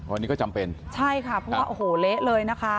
อันนี้ก็จำเป็นใช่ค่ะเพราะว่าโอ้โหเละเลยนะคะ